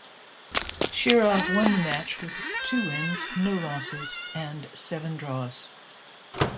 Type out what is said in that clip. Shirov won the match with two wins, no losses and seven draws.